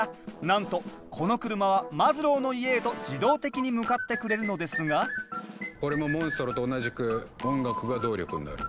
なんとこの車はマズローの家へと自動的に向かってくれるのですがこれもモンストロと同じく音楽が動力になる。